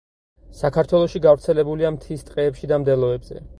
საქართველოში გავრცელებულია მთის ტყეებში და მდელოებზე.